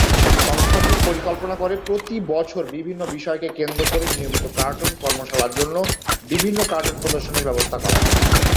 সংস্থাটি পরিকল্পনা করে প্রতি বছর বিভিন্ন বিষয়কে কেন্দ্র করে নিয়মিত কার্টুন কর্মশালার জন্য বিভিন্ন কার্টুন প্রদর্শনীর ব্যবস্থা কর।